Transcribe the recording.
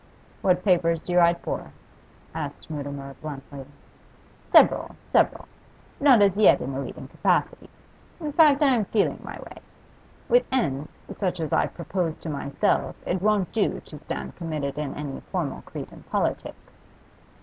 'What papers do you write for?' asked Mutimer bluntly. 'Several, several. Not as yet in a leading capacity. In fact, I am feeling my way. With ends such as I propose to myself it won't do to stand committed to any formal creed in politics.